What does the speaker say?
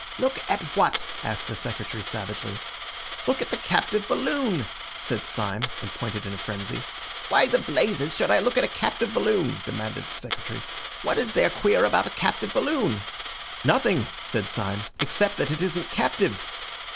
"Look at what?" asked the Secretary savagely. "Look at the captive balloon!" said Syme, and pointed in a frenzy. "Why the blazes should I look at a captive balloon?" demanded the Secretary. "What is there queer about a captive balloon?" "Nothing," said Syme, "except that it isn't captive!"